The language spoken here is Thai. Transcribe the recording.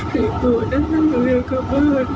พี่โบ๊ทนะหนูอยากขบริเวณ